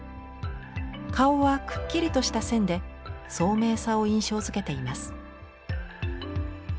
顔はくっきりとした線で聡明さを印象づけています。